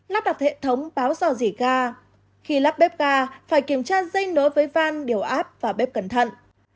lắp đặt hệ thống báo rò rỉ ga khi lắp bếp ga phải kiểm tra dây nối với van điều áp và bếp cẩn thận